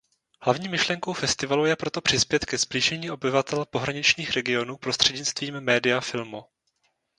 Hlavní myšlenkou festivalu je proto přispět ke sblížení obyvatel pohraničních regionů prostřednictvím média filmu.